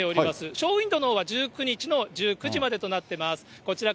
ショーウィンドーのほうは１９日の１９時までとなっています。